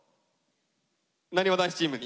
なにわ男子チームに。